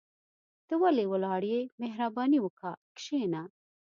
ته ولي ولاړ يى مهرباني وکاه کشينه